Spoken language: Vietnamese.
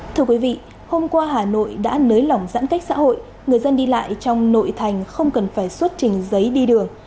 thưa quý vị hôm qua hà nội đã nới lỏng giãn cách xã hội người dân đi lại trong nội thành không cần phải xuất trình giấy đi đường